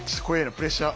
プレッシャー。